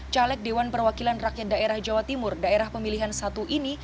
caleg dewan perwakilan rakyat daerah jawa timur daerah pemilihan satu ini